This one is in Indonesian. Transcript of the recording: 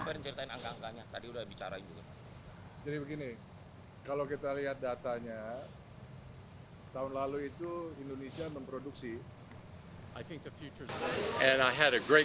saya berbicara dengan presiden tentang komitmen kita kepada negara